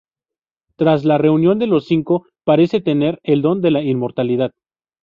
Tras la "Reunión de los Cinco" parece tener el don de la inmortalidad.